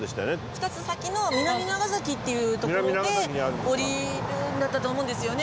２つ先の南長崎っていう所で降りるんだったと思うんですよね。